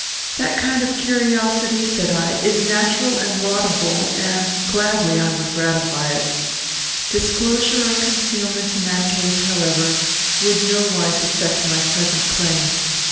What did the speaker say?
"That kind of curiosity," said I, "is natural and laudable, and gladly would I gratify it. Disclosure or concealment in that case, however, would nowise affect my present claim.